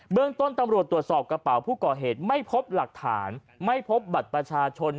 เรื่องต้นตำรวจตรวจสอบกระเป๋าผู้ก่อเหตุไม่พบหลักฐานไม่พบบัตรประชาชน